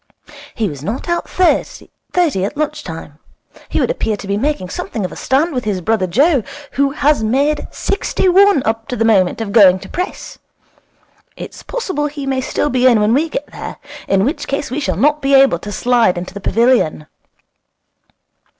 'He was not out thirty at lunch time. He would appear to be making something of a stand with his brother Joe, who has made sixty one up to the moment of going to press. It's possible he may still be in when we get there. In which case we shall not be able to slide into the pavilion.'